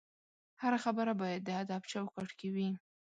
هره خبره باید د ادب چوکاټ کې وي